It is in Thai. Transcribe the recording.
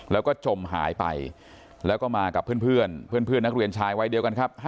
แล้วก็จมหายไปแล้วก็มากับเพื่อนเพื่อนนักเรียนชายวัยเดียวกันครับ